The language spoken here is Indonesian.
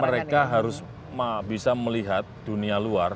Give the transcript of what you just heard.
mereka harus bisa melihat dunia luar